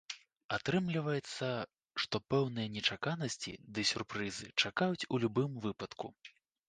Атрымліваецца, што пэўныя нечаканасці ды сюрпрызы чакаюць у любым выпадку.